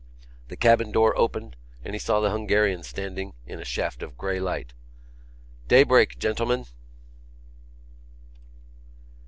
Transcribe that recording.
The cabin door opened and he saw the Hungarian standing in a shaft of grey light: "Daybreak, gentlemen!"